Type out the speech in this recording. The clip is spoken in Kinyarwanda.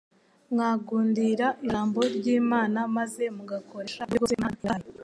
mwagundira Ijambo ry'Imana maze mugakoresha uburyo bwose Imana yabahaye.